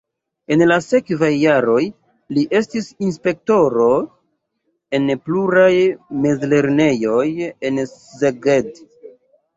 En la sekvaj jaroj li estis inspektoro en pluraj mezlernejoj en Szeged.